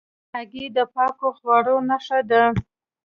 هګۍ د پاکو خواړو نښه ده.